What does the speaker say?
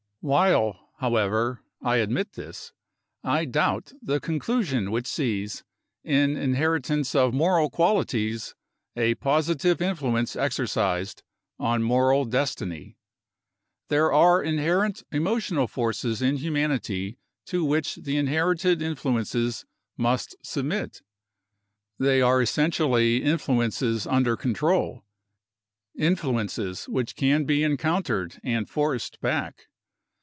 While, however, I admit this, I doubt the conclusion which sees, in inheritance of moral qualities, a positive influence exercised on moral destiny. There are inherent emotional forces in humanity to which the inherited influences must submit; they are essentially influences under control influences which can be encountered and forced back.